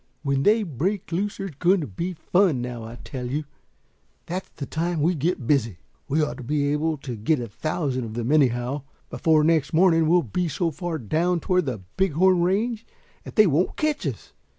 When they break loose there's going to be fun, now I tell you. That's the time we get busy. We ought to be able to get a thousand of them anyhow. Before next morning we'll be so far down toward the Big Horn range that they won't catch us.